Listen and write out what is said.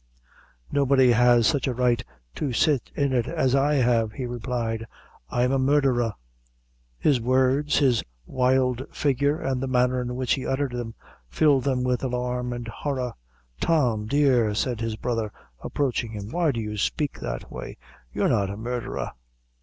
"Nobody has sich a right to sit in it as I have," he replied, "I'm a murdherer." His words, his wild figure, and the manner in which he uttered them, filled them with alarm and horror. "Tom, dear," said his brother, approaching him, "why do you speak that way? you're not a murdherer!"